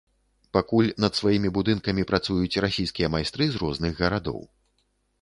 Пакуль над сваімі будынкамі працуюць расійскія майстры з розных гарадоў.